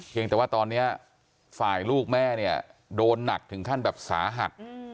ยังแต่ว่าตอนนี้ฝ่ายลูกแม่เนี่ยโดนหนักถึงขั้นแบบสาหัส